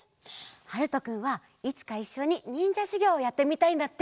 はるとくんはいつかいっしょににんじゃしゅぎょうをやってみたいんだって！